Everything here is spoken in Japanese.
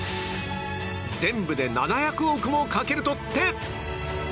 全部で７００億もかけるとって。